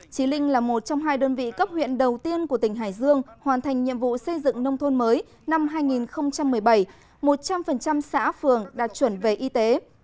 trí linh là một trong hai đơn vị cấp huyện đầu tiên của tỉnh hải dương hoàn thành nhiệm vụ xây dựng nông thôn mới năm hai nghìn một mươi bảy một trăm linh xã phường đạt chuẩn về y tế